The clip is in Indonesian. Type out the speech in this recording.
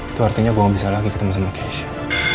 itu artinya gue nggak bisa lagi ketemu sama keisha